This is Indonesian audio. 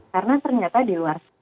karena ternyata di luar